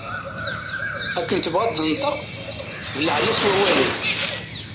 Akken tebɣa ad d-tenṭeq belɛen-as wawalen.